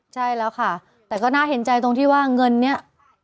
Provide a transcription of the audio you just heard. ใช่แล้วค่ะแต่ก็น่าเห็นใจตรงที่ว่าเงินเนี่ย